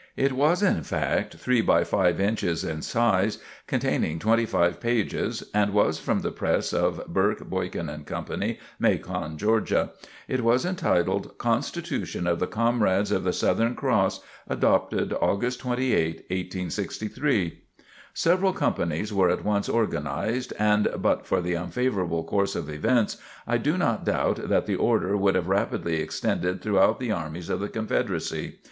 It was in fact three by five inches in size, contained twenty five pages and was from the press of Burke, Boykin & Co., Macon, Georgia. It was entitled "Constitution of the Comrades of the Southern Cross, adopted August 28, 1863." Several "companies" were at once organized and but for the unfavorable course of events, I do not doubt that the order would have rapidly extended throughout the armies of the Confederacy.